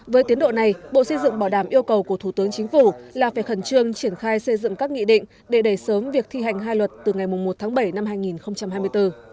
với tiến độ này bộ xây dựng bảo đảm yêu cầu của thủ tướng chính phủ là phải khẩn trương triển khai xây dựng các nghị định để đẩy sớm việc thi hành hai luật từ ngày một tháng bảy năm hai nghìn hai mươi bốn